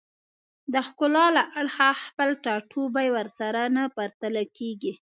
د ښکلا له اړخه خپل ټاټوبی ورسره نه پرتله کېږي